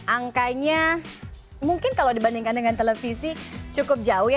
angkanya mungkin kalau dibandingkan dengan televisi cukup jauh ya